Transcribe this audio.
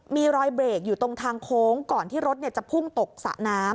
มีรอยเบรกอยู่ตรงทางโค้งก่อนที่รถจะพุ่งตกสระน้ำ